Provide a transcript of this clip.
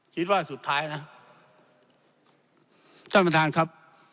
จี๊ดว่าสุดท้ายนะท่านพระทางค์ครับ